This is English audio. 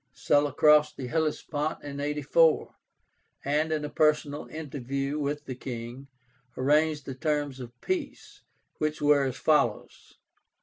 Sulla crossed the Hellespont in 84, and in a personal interview with the king arranged the terms of peace, which were as follows.